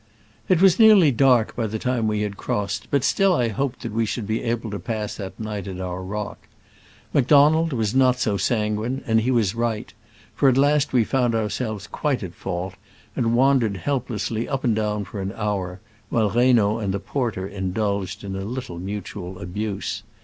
It was nearly dark by the time we had crossed, but still 1 hoped that we should be able to pass the night at our rock. Macdonald was not so sanguine, and he was right ; for at last we found ourselves quite at fault, and wandered helplessly up and down for an hour, while Reynaud and the porter indulged in a little mutual abuse.